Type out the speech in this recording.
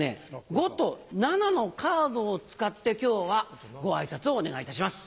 ５と７のカードを使って今日はご挨拶をお願いいたします。